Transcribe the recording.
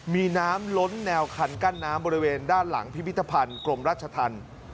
มีน้ำล้นแนวคันกั้นน้ำบริเวณด้านหลังพิพิธภัณฑ์กรมราชธรรม